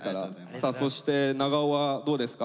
さあそして長尾はどうですか？